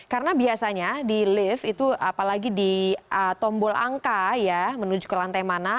karena biasanya di lift itu apalagi di tombol angka ya menuju ke lantai mana